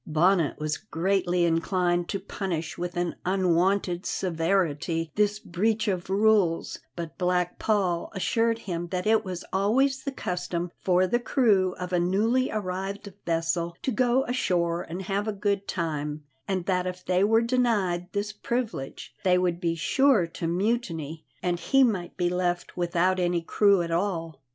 Bonnet was greatly inclined to punish with an unwonted severity this breach of rules, but Black Paul assured him that it was always the custom for the crew of a newly arrived vessel to go ashore and have a good time, and that if they were denied this privilege they would be sure to mutiny, and he might be left without any crew at all.